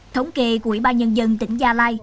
thống kê của ủy ban nhân dân tỉnh gia lai